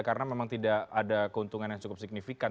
karena memang tidak ada keuntungan yang cukup signifikan